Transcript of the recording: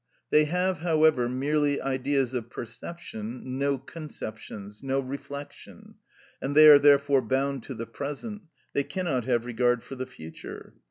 They have, however, merely ideas of perception, no conceptions, no reflection, and they are therefore bound to the present; they cannot have regard for the future.